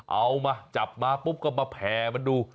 เอามาจับมาปุ๊บก็มาแผ่มันดู